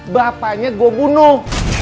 bapaknya gue bunuh